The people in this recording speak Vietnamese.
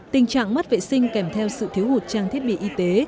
tình trạng mất vệ sinh kèm theo sự thiếu hụt trang thiết bị y tế